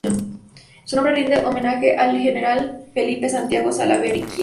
Su nombre rinde homenaje al general Felipe Santiago Salaverry, quien fuese presidente del Perú.